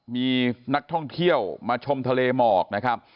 มีนักท่องเที่ยวมาชมทะเลหมอกนะครับ